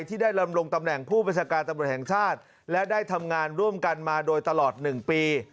ที่ได้ลำลงตำแหน่งผู้ประชาการตำรวจแห่งชาติและได้ทำงานร่วมกันมาโดยตลอด๑ปี